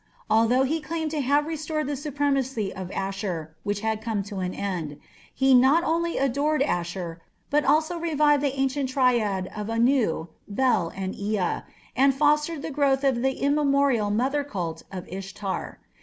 Although he claimed to have restored the supremacy of Asshur "which had come to an end", he not only adored Ashur but also revived the ancient triad of Anu, Bel, and Ea, and fostered the growth of the immemorial "mother cult" of Ishtar.